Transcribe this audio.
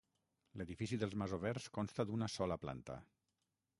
L'edifici dels masovers consta d'una sola planta.